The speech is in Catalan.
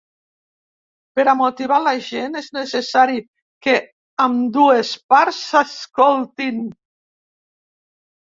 Per a motivar la gent és necessari que ambdues parts s’escoltin.